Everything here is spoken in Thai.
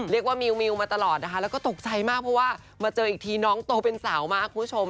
มิวมาตลอดนะคะแล้วก็ตกใจมากเพราะว่ามาเจออีกทีน้องโตเป็นสาวมากคุณผู้ชม